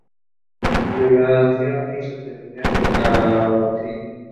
Celebración Misa Cardenal Cipriani